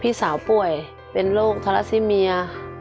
พี่สาวป่วยเป็นโรคทาราซิเมีย